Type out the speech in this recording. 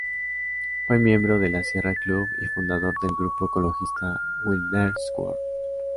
Fue miembro del Sierra Club y fundador del grupo ecologista Wilderness World.